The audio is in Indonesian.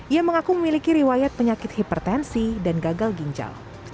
ia mengaku memiliki riwayat penyakit hipertensi dan gagal ginjal